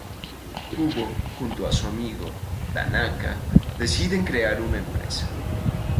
Kubo junto a su amigo Tanaka, deciden crear una empresa.